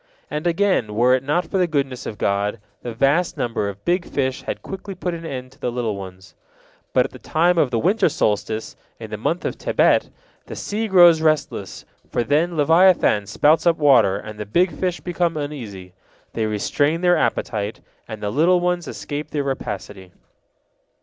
And, again, were it not for the goodness of God, the vast number of big fish had quickly put an end to the little ones. But at the time of the winter solstice, in the month of Tebet, the sea grows restless, for then leviathan spouts up water, and the big fish become uneasy. They restrain their appetite, and the little ones escape their rapacity.